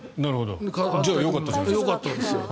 じゃあよかったじゃないですか。